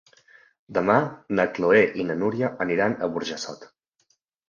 Demà na Chloé i na Núria aniran a Burjassot.